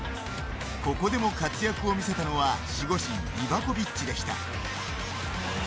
ここでも活躍を見せたのは守護神リヴァコヴィッチでした。